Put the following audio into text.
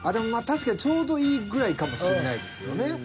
確かにちょうどいいぐらいかもしれないですよね。